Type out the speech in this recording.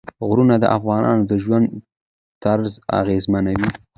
غرونه د افغانانو د ژوند طرز اغېزمنوي.